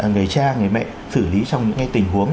người cha người mẹ xử lý trong những cái tình huống